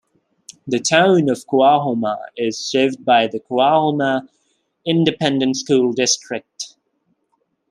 The Town of Coahoma is served by the Coahoma Independent School District.